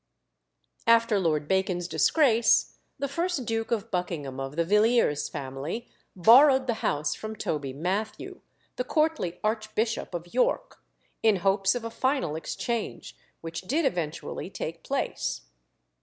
After Lord Bacon's disgrace, the first Duke of Buckingham of the Villiers family borrowed the house from Toby Mathew, the courtly archbishop of York, in hopes of a final exchange, which did eventually take place.